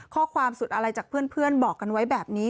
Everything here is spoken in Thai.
ข้อความสุดอะไรจากเพื่อนบอกกันไว้แบบนี้